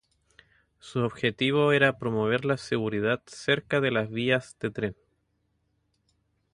Su objetivo era promover la seguridad cerca de las vías de tren.